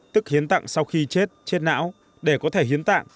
tức hiến tặng sau khi chết chết não để có thể hiến tạng